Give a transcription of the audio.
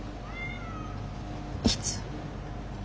いつ？